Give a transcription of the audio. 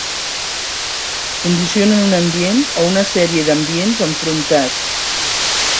Condicionen un ambient o una sèrie d'ambients enfrontats